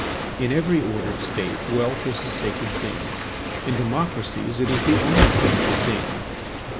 In every ordered State, wealth is a sacred thing: in democracies it is the only sacred thing.